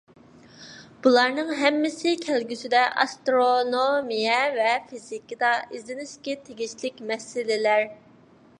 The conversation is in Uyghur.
بۇلارنىڭ ھەممىسى كەلگۈسىدە ئاسترونومىيە ۋە فىزىكىدا ئىزدىنىشكە تېگىشلىك مەسىلىلەر.